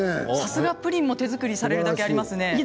さすがプリンも手作りされるだけありますね。